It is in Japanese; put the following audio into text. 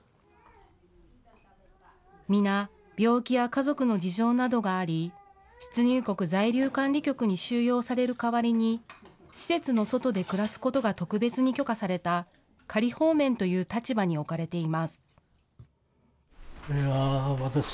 皆、病気や家族の事情などがあり、出入国在留管理局に収容される代わりに、施設の外で暮らすことが特別に許可された、仮放免という立場に置かれています。